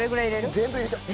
全部入れちゃおう。